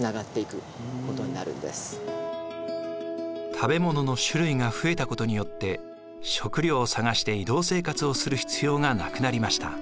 食べ物の種類が増えたことによって食料を探して移動生活をする必要がなくなりました。